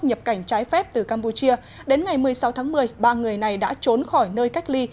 nhập cảnh trái phép từ campuchia đến ngày một mươi sáu tháng một mươi ba người này đã trốn khỏi nơi cách ly